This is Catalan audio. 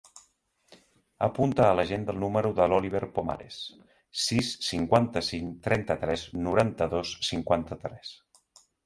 Apunta a l'agenda el número de l'Oliver Pomares: sis, cinquanta-cinc, trenta-tres, noranta-dos, cinquanta-tres.